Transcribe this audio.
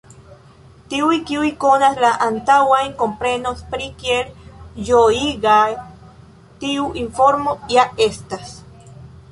Tiuj kiuj konas la antaŭajn, komprenos pri kiel ĝojiga tiu informo ja estas.